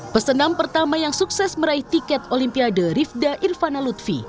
pesenam pertama yang sukses meraih tiket olimpiade rivda irvana lutfi